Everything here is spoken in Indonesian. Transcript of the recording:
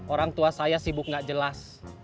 orang tua saya sibuk gak jelas